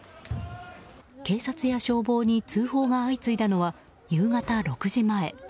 警察や消防に通報が相次いだのは夕方６時前。